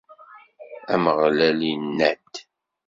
Ameɣlal inna-d.